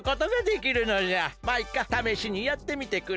マイカためしにやってみてくれ。